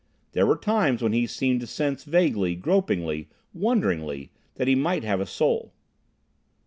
There were times when he seemed to sense vaguely, gropingly, wonderingly, that he might have a soul.